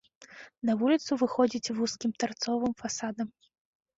На вуліцу выходзіць вузкім тарцовым фасадам.